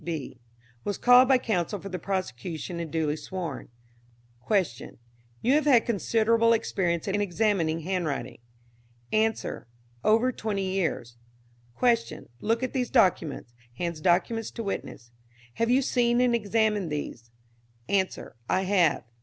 D. B was called by counsel for the prosecution and duly sworn. Q. You have had considerable experience in examining handwriting. A. Over twenty years. Q. Look at these documents. (Hands documents to witness.) Have you seen and examined these? A. I have.